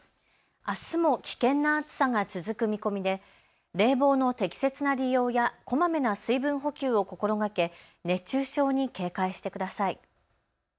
あすも危険な暑さが続く見込みで冷房の適切な利用やこまめな水分補給を心がけ熱中症に警戒してください。